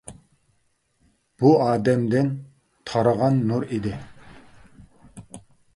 بۇ «ئادەم» دىن تارىغان نۇر ئىدى.